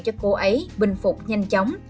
cho cô ấy bình phục nhanh chóng